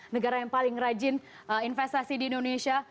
negara yang paling rajin investasi di indonesia